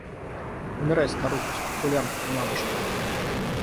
Умирай, старуха, спекулянтка, набожка.